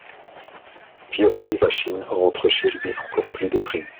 Piotr Ivachine rentre chez lui, encore plus déprimé.